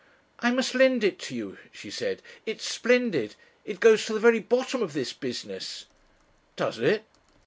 "I must lend it to you," she said. "It's splendid. It goes to the very bottom of this business." "Does it?"